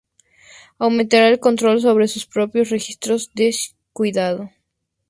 Aumentará el control sobre sus propios registros de cuidado.